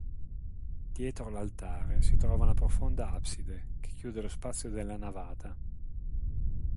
Dietro l'altare si trova una profonda abside che chiude lo spazio della navata.